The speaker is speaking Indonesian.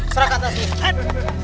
serah katas ini